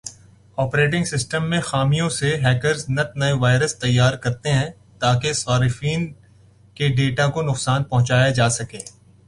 operating system میں خامیوں سے ہیکرز نت نئے وائرس تیار کرتے ہیں تاکہ صارفین کے ڈیٹا کو نقصان پہنچایا جاسکے